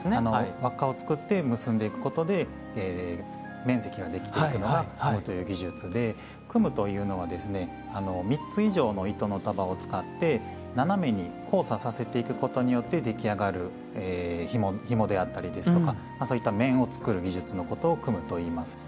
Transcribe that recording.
輪っかを作って結んでいくことで面積が出来ていくのが「編む」という技術で「組む」というのはですね３つ以上の糸の束を使って斜めに交差させていくことによって出来上がるひもであったりですとかそういった面を作る技術のことを「組む」といいます。